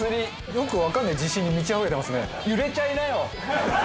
よくわかんない自信に満ちあふれてますね。